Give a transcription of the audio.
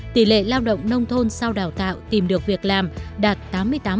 tỷ lệ lao động nông thôn sau đào tạo tìm được việc làm đạt tám mươi tám